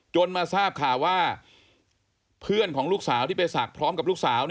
มาทราบข่าวว่าเพื่อนของลูกสาวที่ไปศักดิ์พร้อมกับลูกสาว